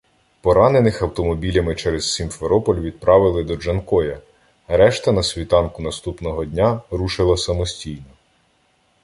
Поранених автомобілями через Сімферополь відправили до Джанкоя, решта на світанку наступного дня рушила самостійно.